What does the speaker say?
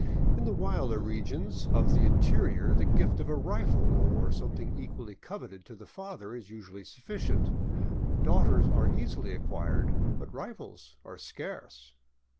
In the wilder regions of the 547 VAGABONDING DOWN THE ANDES interior the gift of a rifle, or something equally coveted, to the father is usually sufficient. Daughters are easily acquired, but rifles are scarce.